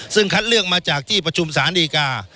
ซึ่งคัดเลือกมาจากที่ประชุมสารดีกา